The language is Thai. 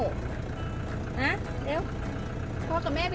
กินข้าวขอบคุณครับ